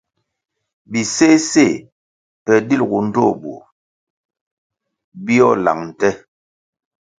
Biséséh pe dilgu ndtoh bur bíőh lang nte.